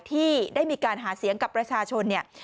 ที่ได้มีการหาเสียงกับประชาชนเนี่ย